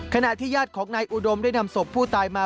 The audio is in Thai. ขณะที่ญาติของนายอุดมได้นำศพผู้ตายมา